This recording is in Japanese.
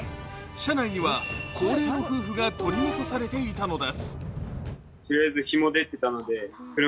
車内には高齢の夫婦が取り残されていたのです。